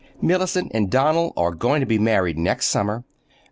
Mellicent and Donald are going to be married next summer.